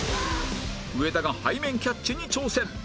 上田が背面キャッチに挑戦！